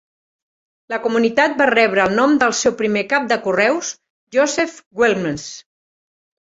La comunitat va rebre el nom del seu primer cap de correus, Joseph Wilmes.